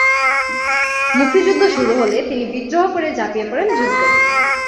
মুক্তিযুদ্ধ শুরু হলে তিনি বিদ্রোহ করে ঝাঁপিয়ে পড়েন যুদ্ধে।